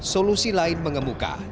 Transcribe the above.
solusi lain mengemuka